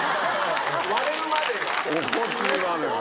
割れるまでが。